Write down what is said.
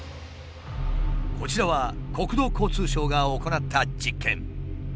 こちらは国土交通省が行った実験。